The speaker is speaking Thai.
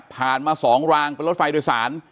ผ่านมา๒รางเป็นรถฝ่ายโดยสาร